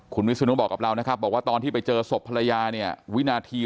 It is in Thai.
คุณวิศนุบอกกับเรานะครับบอกว่าตอนที่ไปเจอศพภรรยาเนี่ยวินาที